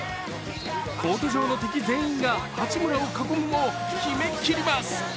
コート上の敵全員が八村を囲むも決めきります。